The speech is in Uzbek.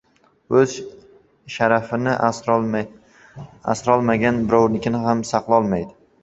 • O‘z sharafini asrolmagan birovnikini ham saqlolmaydi.